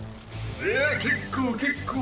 いや結構結構。